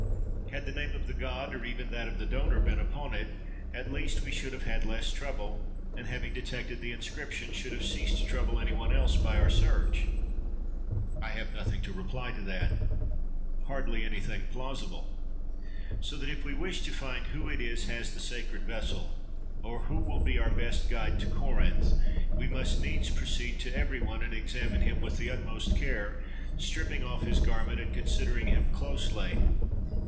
Had the name of the god, or even that of the donor, been upon it, at least we should have had less trouble, and having detected the inscription, should have ceased to trouble any one else by our search. —I have nothing to reply to that. —Hardly anything plausible. So that if we wish to find who it is has the sacred vessel, or who will be our best guide to Corinth, we must needs proceed to every one and examine him with the utmost care, stripping off his garment and considering him closely.